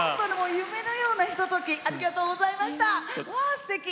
夢のようなひとときありがとうございました。